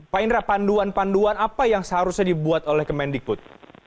pak indra panduan panduan apa yang seharusnya dibuat oleh kemendikbud